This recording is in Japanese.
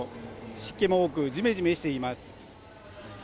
湿気も多くじめじめしています。